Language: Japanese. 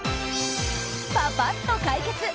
パパッと解決！